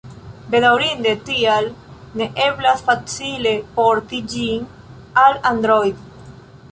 Bedaŭrinde tial ne eblas facile "porti" ĝin al Android.